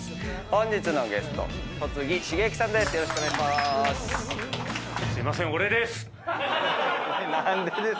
［本日のゲストは］